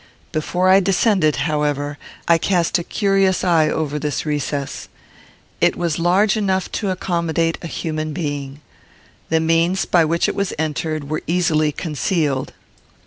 Before I descended, however, I cast a curious eye over this recess. It was large enough to accommodate a human being. The means by which it was entered were easily concealed.